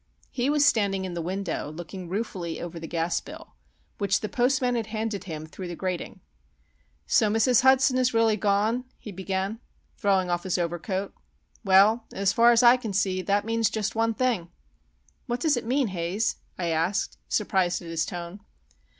He was standing in the window, looking ruefully over the gas bill, which the postman had handed him through the grating. "So Mrs. Hudson has really gone?" he began, throwing off his overcoat. "Well, as far as I can see, that means just one thing." "What does it mean, Haze?" I asked, surprised at his tone.